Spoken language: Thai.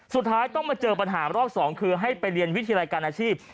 สุดท้ายต้องมาเจอปัญหารอบสองคือให้ไปเรียนวิทยาลัยการอาชีพ